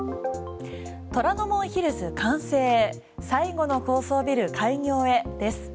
虎ノ門ヒルズ完成最後の高層ビル開業へです。